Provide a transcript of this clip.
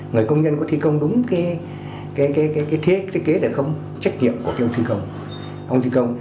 người công nhân có thi công đúng cái thiết kế để không trách nhiệm của cái ông thi công